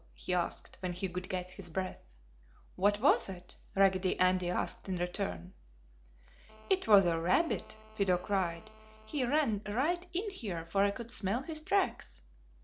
he asked, when he could get his breath. "What was it?" Raggedy Andy asked in return. "It was a rabbit!" Fido cried. "He ran right in here, for I could smell his tracks!"